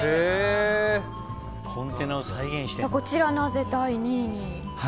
こちら、なぜ第２位に？